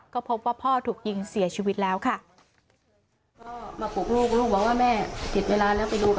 ก็พบว่าพ่อถูกยิงเสียชีวิตแล้วค่ะ